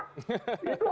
kita diam semua